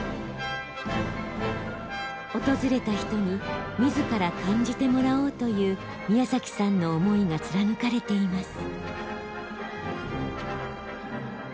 訪れた人に自ら感じてもらおうという宮崎さんの思いが貫かれています。